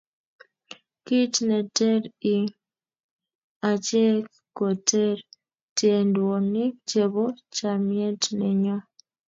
kit ne ter ing' achek ko ter tiedwanik chebo chamiet ne nyo